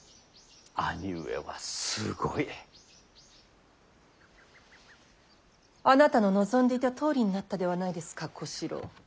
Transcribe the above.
兄上はすごい！あなたの望んでいたとおりになったではないですか小四郎。